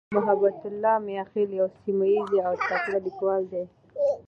محبتالله "میاخېل" یو سیمهییز او تکړه لیکوال دی.